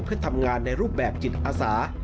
เพื่อทำงานในรูปแบบจิตอาสา